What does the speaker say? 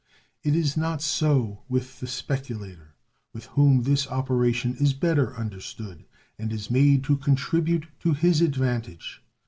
It is not so with the speculator, by whom this operation is better understood, and is made to contribute to his advantage.